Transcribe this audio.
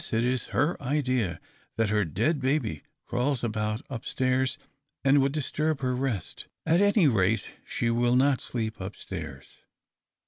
It is ber idea that her dead babv crawls about upstairs, and would disturb be: rest At any rate, she will not sleep upstairs."